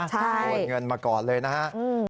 โอนเงินมาก่อนเลยนะครับ